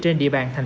trên địa bàn tp hcm